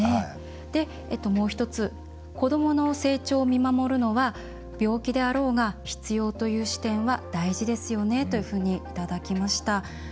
もう１つ「子どもの成長を見守るのは病気であろうが必要という視点は大事ですよね」というふうにいただきました。